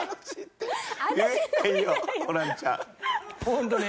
ホントに。